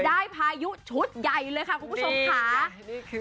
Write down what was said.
พายุชุดใหญ่เลยค่ะคุณผู้ชมค่ะ